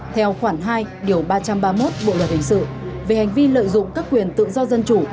theo khoảng hai ba trăm ba mươi một bộ lợi hình sự về hành vi lợi dụng các quyền tự do dân chủ